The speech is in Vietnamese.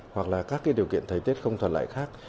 hoặc là các cái điều kiện thời tiết không thuận lợi khác